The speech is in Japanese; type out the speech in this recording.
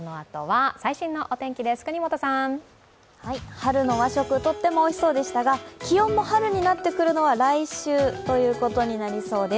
春の和食、とってもおいしそうでしたが、気温も春になってくるのは来週ということになりそうです。